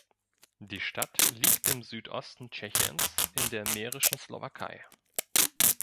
Die Stadt liegt im Südosten Tschechiens in der Mährischen Slowakei.